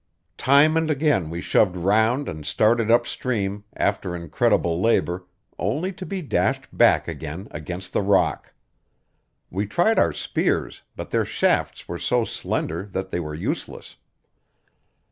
Time and again we shoved round and started upstream, after incredible labor, only to be dashed back again against the rock. We tried our spears, but their shafts were so slender that they were useless.